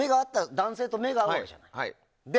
男性と目が合うじゃない。